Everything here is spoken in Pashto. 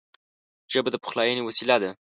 ژبه د پخلاینې وسیله ده